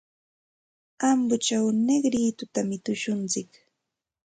Ambochaw Negritotami tushuntsik.